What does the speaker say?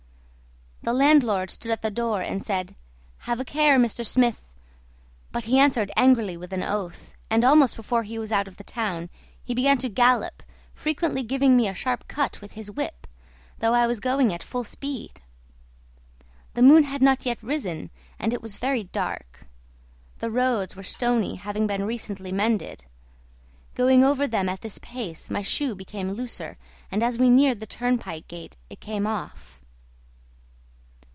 The landlord stood at the door and said, "Have a care, Mr. Smith!" but he answered angrily with an oath; and almost before he was out of the town he began to gallop, frequently giving me a sharp cut with his whip, though I was going at full speed. The moon had not yet risen, and it was very dark. The roads were stony, having been recently mended; going over them at this pace, my shoe became looser, and as we neared the turnpike gate it came off.